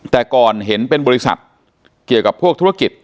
แต่ก่อนเห็นเป็นบริษัทเกี่ยวกับพวกธุรกิจ